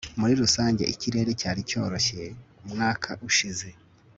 muri rusange, ikirere cyari cyoroheje umwaka ushize